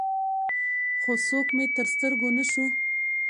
خو څوک مې تر سترګو نه شو.